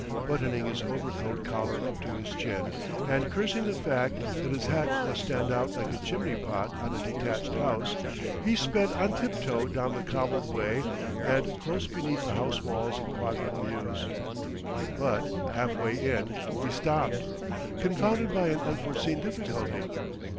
Buttoning his overcoat collar up to his chin and cursing the fact that his hat must stand out like a chimney pot on a detached house, he sped on tiptoe down the cobbled way and close beneath the house walls of Quadrant Mews. But, half way in, he stopped, confounded by an unforeseen difficulty.